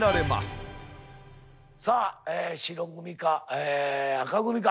さあ白組か紅組か。